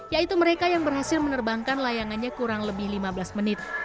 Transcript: yaitu mereka yang berhasil menerbangkan layangannya kurang lebih lima belas menit